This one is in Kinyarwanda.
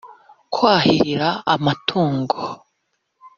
kwahirira amatungo